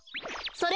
それ！